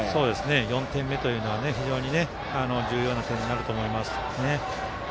４点目というのは非常に重要な点になると思います。